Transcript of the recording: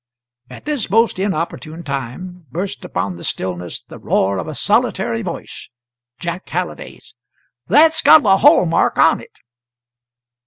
At this most inopportune time burst upon the stillness the roar of a solitary voice Jack Halliday's: "That's got the hall mark on it!"